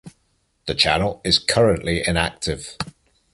The channel is currently inactive.